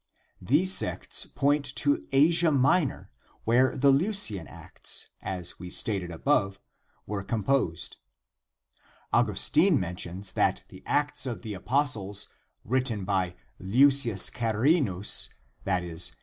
These sects point to Asia Minor, where the Leucian Acts, as we stated above, were composed. Augustine (d. 430) mentions that the Acts of the Apostles, written by Leucius Charinus —" discipulus diaboli " (i. e.